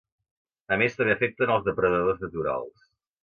A més també afecten els depredadors naturals.